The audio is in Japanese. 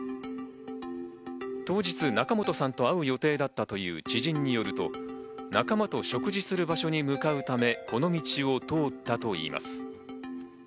当日、仲本さんと会う予定だったという知人によると、仲間と食事をする場所に向かうため、この道を通ったといいます。